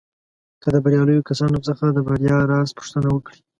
که د برياليو کسانو څخه د بريا راز پوښتنه وکړئ.